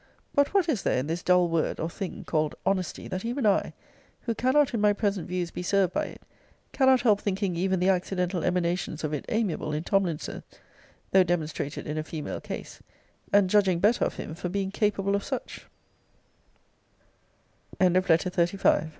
But what is there in this dull word, or thing, called HONESTY, that even I, who cannot in my present views be served by it, cannot help thinking even the accidental emanations of it amiable in Tomlinson, though demonstrated in a female case; and judging better of him for being capable of su